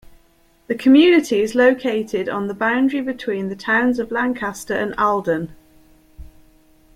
The community is located on the boundary between the towns of Lancaster and Alden.